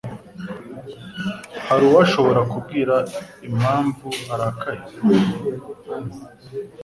Hari uwashobora kumbwira impamvu arakaye?